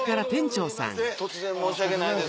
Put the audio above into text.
突然申し訳ないです